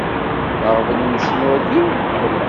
D aɣbel-nsen wagi?